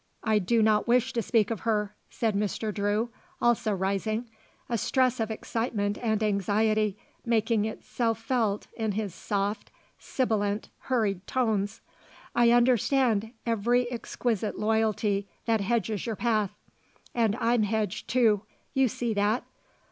I do not wish to speak of her," said Mr. Drew, also rising, a stress of excitement and anxiety making itself felt in his soft, sibilant, hurried tones; "I understand every exquisite loyalty that hedges your path. And I'm hedged, too; you see that.